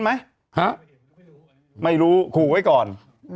ไหมไม่รู้กูไว้ก่อน